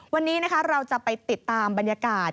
วันนี้นะคะเราจะไปติดตามบรรยากาศ